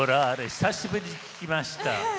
久しぶりに聴きました。